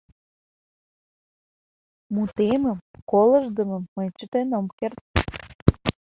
Мутемым колыштдымым мый чытен ом керт.